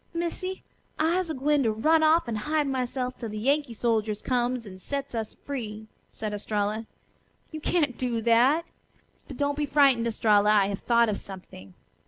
Missy, I'se a gwine to run off an' hide myself 'til the Yankee soldiers comes and sets us free," said Estralla. "You can't do that. But don't be frightened, Estralla. I have thought of something.